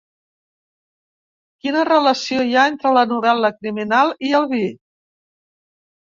Quina relació hi ha entre la novel·la criminal i el vi?